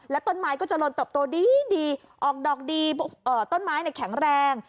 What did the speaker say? ต้นไม้ก็จะลนเติบโตดีออกดอกดีต้นไม้แข็งแรง